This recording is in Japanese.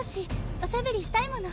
おしゃべりしたいもの。